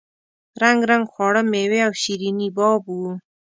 رنګ رنګ خواړه میوې او شیریني باب وو.